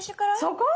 そこ？